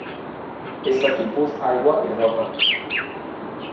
És de tipus aigua i roca.